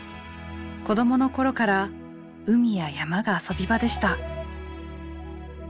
子供の頃から海や山が遊び場でした。